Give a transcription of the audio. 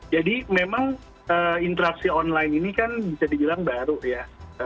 jadi memang interaksi online ini kan bisa dibilang baru ya